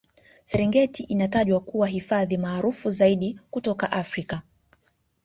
serengeti inatajwa kuwa hifadhi maarufu zaidi kutoka africa